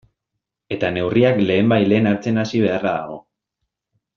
Eta neurriak lehenbailehen hartzen hasi beharra dago.